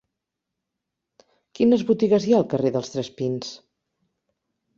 Quines botigues hi ha al carrer dels Tres Pins?